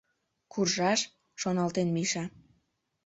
«Куржаш? — шоналтен Миша.